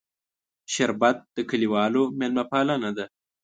شربت د کلیوالو میلمهپالنه ده